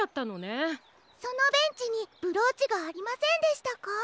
そのベンチにブローチがありませんでしたか？